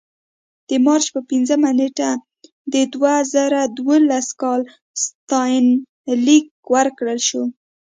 د مارچ په پنځمه نېټه د دوه زره دولسم کال ستاینلیک ورکړل شو.